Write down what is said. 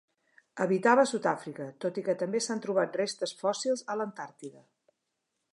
Habitava a Sud-àfrica, tot i que també s'han trobat restes fòssils a l'Antàrtida.